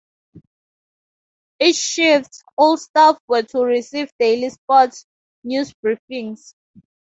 Each shift, all staff were to receive daily sports news briefings.